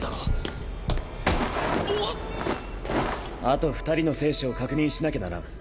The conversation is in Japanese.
あと２人の生死を確認しなきゃならん。